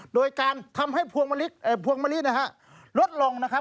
โดยการทำให้พวงมะลินะฮะลดลงนะครับ